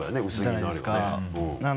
じゃないですかな